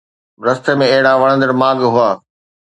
رستي ۾ اهڙا وڻندڙ ماڳ هئا